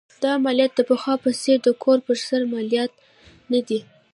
دا مالیات د پخوا په څېر د کور پر سر مالیات نه دي.